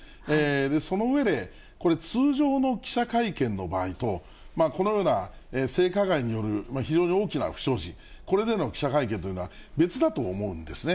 その上でこれ、通常の記者会見の場合と、このような性加害による、非常に大きな不祥事、これでの記者会見というのは別だと思うんですね。